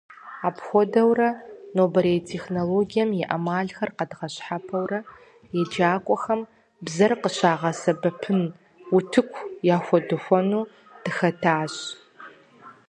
Апхуэдэу, нобэрей технологиехэм и Ӏэмалхэр къэдгъэщхьэпэурэ еджакӀуэхэм бзэр къыщагъэсэбэпын утыку яхуэдухуэну дыхэтащ.